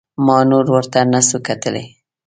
ما نور ورته نسو کتلى.